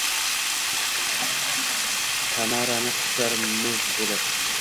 Tamarani quchar mo’z bo’lib.